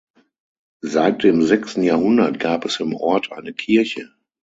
Seit dem sechsten Jahrhundert gab es im Ort eine Kirche.